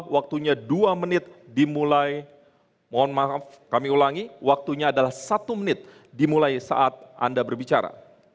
waktunya dua menit dimulai mohon maaf kami ulangi waktunya adalah satu menit dimulai saat anda berbicara